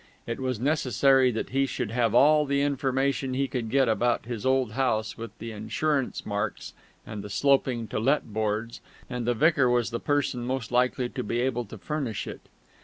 It was necessary that he should have all the information he could get about this old house with the insurance marks and the sloping "To Let" boards, and the vicar was the person most likely to be able to furnish it.